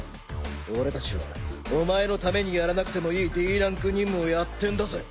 俺たちはお前のためにやらなくてもいいＤランク任務をやってんだぜ。